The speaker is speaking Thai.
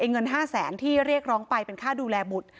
เงิน๕แสนที่เรียกร้องไปเป็นค่าดูแลบุตร